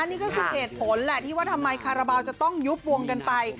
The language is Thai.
นี่ก็คือเหตุผลแหละที่ว่าทำไมคาราบาลจะต้องยุบวงกันไป